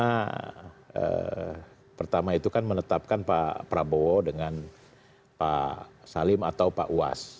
karena pertama itu kan menetapkan pak prabowo dengan pak salim atau pak uas